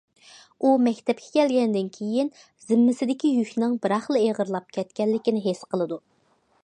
ئۇ مەكتەپكە كەلگەندىن كىيىن زىممىسىدىكى يۈكنىڭ بىراقلا ئېغىرلاپ كەتكەنلىكىنى ھېس قىلىدۇ.